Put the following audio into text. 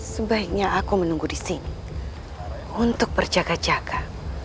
sebaiknya aku menunggu di sini untuk berjaga jaga